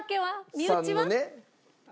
身内は？